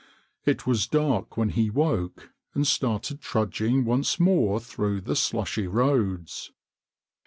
It was dark when he woke, and started trudging once more through the slushy roads.